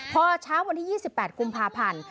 พอเช้าวันที่๒๘กุมภาพันธ์